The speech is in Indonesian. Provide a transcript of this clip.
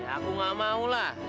aku gak maulah